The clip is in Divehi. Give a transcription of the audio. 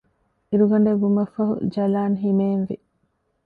އިރުގަޑެއް ވުމަށްފަހު ޖަލާން ހިމޭން ވި